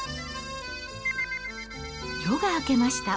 夜が明けました。